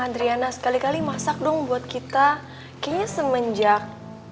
adriana sekali kali masak dong buat kita kayaknya semenjak